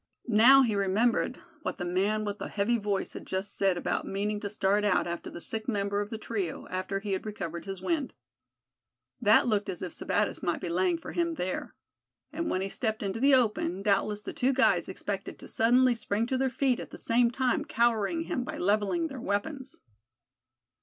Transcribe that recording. Now he remembered what the man with the heavy voice had just said about meaning to start out after the sick member of the trio, after he had recovered his wind. That looked as if Sebattis might be laying for him there. And when he stepped into the open, doubtless the two guides expected to suddenly spring to their feet, at the same time cowering him by leveling their weapons.